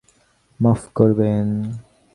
মাফ করবেন?